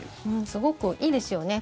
すごくいいですよね。